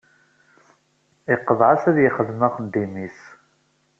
Iqḍeɛ-as ad yexdem axeddim-is.